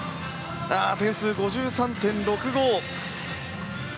点数５３．６５。